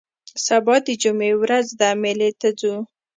سبا د جمعې ورځ ده مېلې ته ځو